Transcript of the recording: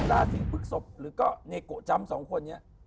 ราศรีภึกศพหรือก็เนโกะจำสองคนเนี่ย